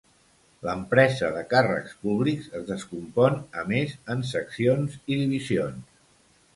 L'empresa de càrrecs públics es descompon a més en seccions i divisions.